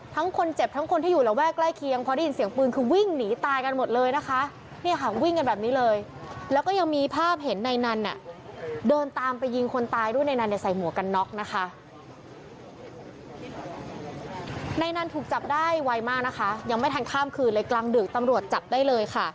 ทั้งคนเจ็บทั้งคนที่อยู่ระแว่ใกล้เคียงพอได้ยินเสียงปืนคือวิ่งหนีตายกันหมดเลยนะคะเนี่ยค่ะวิ่งกันแบบนี้เลย